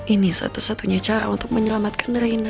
ini satu satunya cara untuk menyelamatkan raina